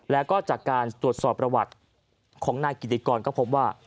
แล้วก็จากการตรวจสอบประวัติของนายกิติกรก็พบว่า